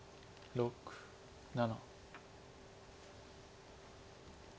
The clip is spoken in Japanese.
６７。